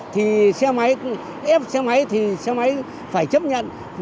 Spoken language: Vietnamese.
thì xe máy ép xe máy thì xe máy phải chấp nhận